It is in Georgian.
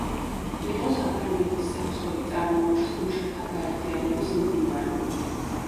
იყო საფრანგეთის საქსოვი წარმოების მუშათა გაერთიანების მდივანი.